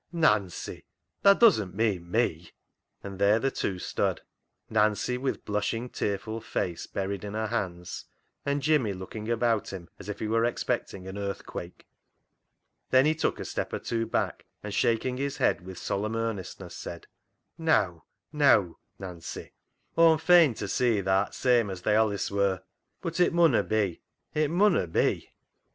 " Nancy ! Nancy ! tha doesn't mean me ?" And there the two stood : Nancy with blush ing, tearful face buried in her hands; and Jimmy looking about him as if he were expecting an earthquake. Then he took a step or two back, and shak ing his head with solemn earnestness, said —" Neaw, neaw, Nancy ! Aw'm fain to see th'art same as tha allis were ; but it munno be, it munno be ?